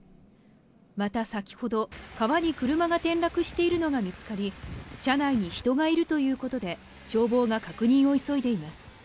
また先ほど、川に車が転落しているのが見つかり、車内に人がいるということで、消防が確認を急いでいます。